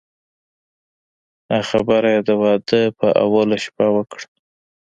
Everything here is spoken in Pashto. دا خبره یې د واده په اوله شپه وکړه.